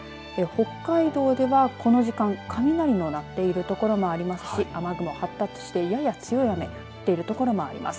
北海道では、この時間雷の鳴っている所がありますし雨雲、発達してやや強い雨降っている所があります。